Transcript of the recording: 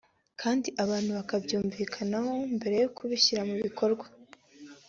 kandi abantu bakabyumvikanaho mbere yo kubishyira mu bikorwa